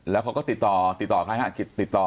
แล้วเขาก็ติดต่อใครนะติดต่อ